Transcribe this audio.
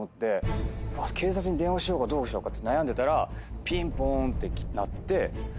警察に電話しようかどうしようかって悩んでたらピンポーンって鳴って。